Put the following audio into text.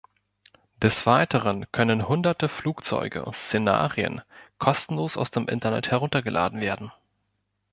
Des Weiteren können hunderte Flugzeuge und Szenerien kostenlos aus dem Internet heruntergeladen werden.